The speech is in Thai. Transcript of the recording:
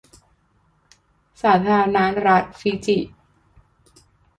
สาธารณรัฐฟิจิ